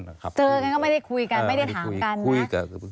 เจอกันก็ไม่ได้คุยกันไม่ได้ถามกันคุยกัน